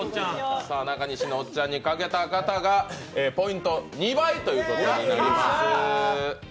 中西のおっちゃんにかけた方がポイント２倍ということです。